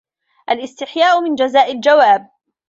الِاسْتِحْيَاءُ مِنْ جَزَاءِ الْجَوَابِ